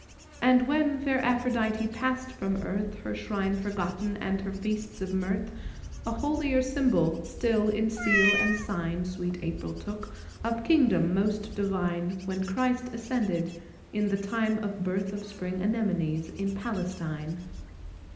And when fair Aphrodite passed from earth, Her shrines forgotten and her feasts of mirth, A holier symbol still in seal and sign, Sweet April took, of kingdom most divine, When Christ ascended, in the time of birth Of spring anemones, in Palestine.